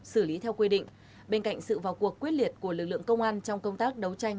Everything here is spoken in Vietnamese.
xử lý theo quy định bên cạnh sự vào cuộc quyết liệt của lực lượng công an trong công tác đấu tranh